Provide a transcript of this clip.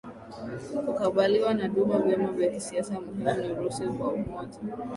kukubaliwa na duma Vyama vya kisiasa muhimu ni Urusi wa Umoja